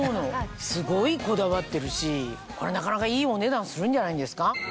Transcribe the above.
すごいこだわってるしこれなかなかいいお値段するんじゃないんですか？